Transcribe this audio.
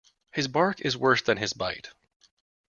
His bark is worse than his bite.